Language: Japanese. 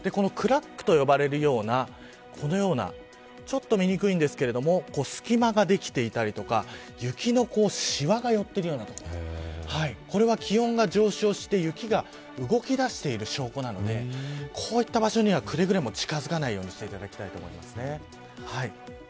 クラックと呼ばれるようなちょっと見にくいですが隙間ができていたり雪のしわが寄っているような所これは気温が上昇して雪が動き出している証拠なのでこういった場所にはくれぐれも近づかないようにしていただきたいと思います。